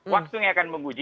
waktu yang akan menguji